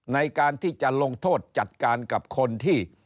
ในการที่จะลงโทษจัดการกับคนที่